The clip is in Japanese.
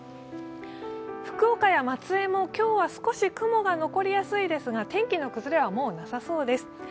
福岡や松江も今日は少し雲が残りそうですが、天気の崩れはもうなさそうです。